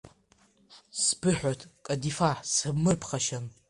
Сбыҳәоит, Кадифа, сыбмырԥхашьан!